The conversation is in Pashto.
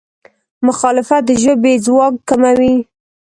مخالفت د ژبې ځواک کموي.